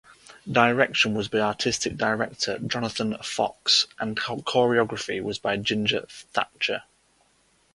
Direction was by artistic director Jonathan Fox and choreography was by Ginger Thatcher.